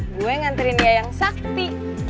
gue nganterin ya yang sakti